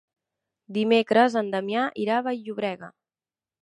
Dimecres en Damià irà a Vall-llobrega.